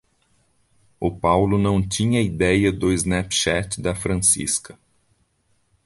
O Paulo não tinha ideia do Snapchat da Francisca